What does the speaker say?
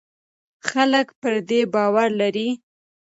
خلک پر دې باور لري.